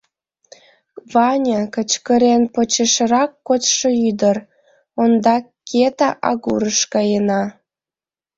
— Ваня, — кычкырен почешрак кодшо ӱдыр, — ондак Кета агурыш каена!